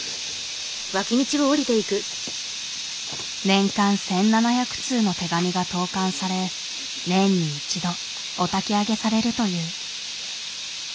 年間１，７００通の手紙が投かんされ年に一度お焚き上げされるという。